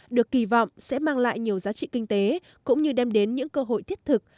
được kỳ vọng sẽ mang lại nhiều giá trị kinh tế cũng như đem đến những cơ hội thiết thực